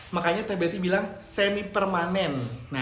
makanya tbt bilang semi permanen